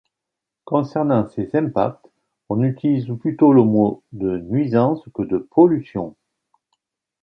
Concernant ces impacts, on utilise plutôt le mot de nuisance que de pollution.